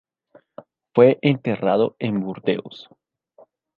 Fue enterrado en Burdeos.